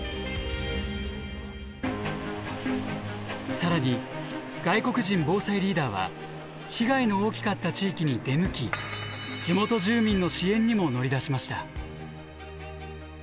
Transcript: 更に外国人防災リーダーは被害の大きかった地域に出向き地元住民の支援にも乗り出しました。